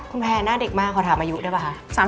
คุณแพร่หน้าเด็กมากขอถามอายุได้ป่ะคะ